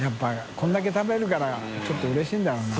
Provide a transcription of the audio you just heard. これだけ食べるからちょっとうれしいんだろうな。